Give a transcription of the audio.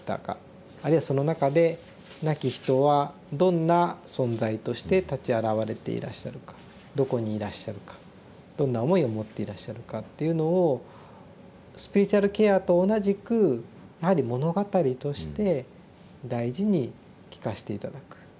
あるいはその中で亡き人はどんな存在として立ち現れていらっしゃるかどこにいらっしゃるかどんな思いを持っていらっしゃるかっていうのをスピリチュアルケアと同じくやはり物語として大事に聞かして頂く。